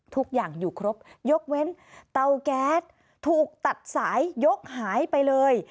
ทุกอย่างอยู่ครบยกเว้นเตาแก๊สถูกตัดสายยกหายไปเลย